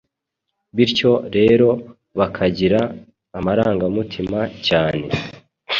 bityo rero bakagira amarangamutima cyane